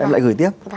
em lại gửi tiếp